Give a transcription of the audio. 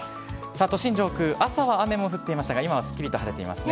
都心上空、朝は雨も降っていましたが、今はすっきりと晴れていますね。